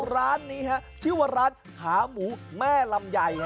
ร้านนี้ชื่อว่าร้านขาหมูแม่ลำไย